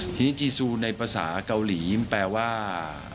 ทีนี้จีซูในภาษาเกาหลีแปลว่า